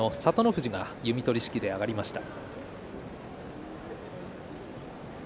富士が弓取式に上がりました。